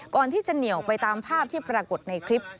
ก่อนที่จะเหนียวไปตามภาพที่ปรากฏในคลิป